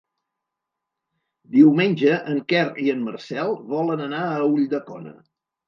Diumenge en Quer i en Marcel volen anar a Ulldecona.